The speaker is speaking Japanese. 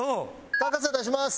高さ出します。